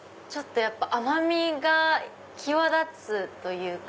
甘みが際立つというか。